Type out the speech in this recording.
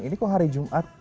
ini kok hari jumat